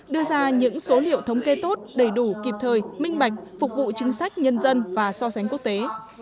đưa ra những số liệu thống kê tốt đầy đủ kịp thời minh bạch phục vụ chính sách nhân dân và so sánh quốc tế